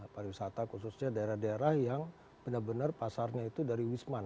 pariwisata khususnya daerah daerah yang benar benar pasarnya itu dari wisman